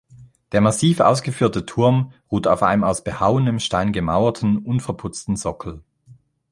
Der massiv ausgeführte Turm ruht auf einem aus behauenem Stein gemauerten, unverputzten Sockel.